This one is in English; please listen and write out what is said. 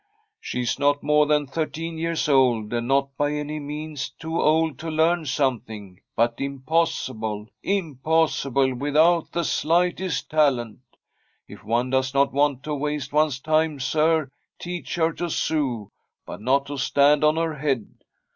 * She is not more than thirteen years old, and not by any means too old to learn something; but, impossible — impossible, without the slight est talent I If one does not want to waste one's time, sir, teach her to sew, but not to stand on her head.